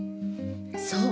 そう！